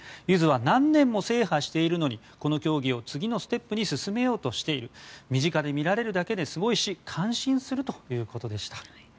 ユヅは何年も制覇しているのにこの競技を次のステップに進めようとしている身近で見られるだけですごいし感心するということでした。